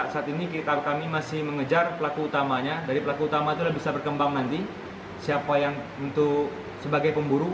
siapa yang untuk sebagai pemburu